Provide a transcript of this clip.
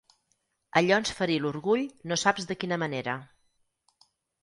Allò ens ferí l'orgull no saps de quina manera.